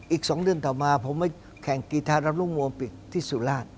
อีก๒เดือนต่อมาผมมาแข่งกีธารำรุงวงปิดที่สุราช